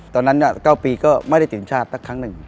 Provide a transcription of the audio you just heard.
ตอนนั้น๙ปีก็ไม่ได้ติดทีมชาติละครั้งหนึ่ง